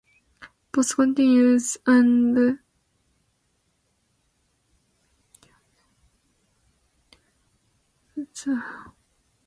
Both countries are Pakistan's neighbours having significant strategic importance for her.